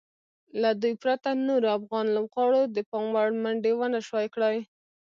له دوی پرته نورو افغان لوبغاړو د پام وړ منډې ونشوای کړای.